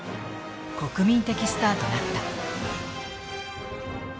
国民的スターとなった。